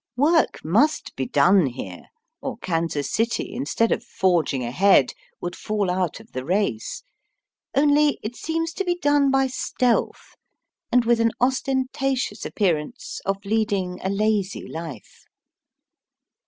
Work must be done here, or Kansas City, instead of forging ahead, would fall out of the race. Only it seems to be done by stealth, and with an ostentatious appear ance of leading a lazy life.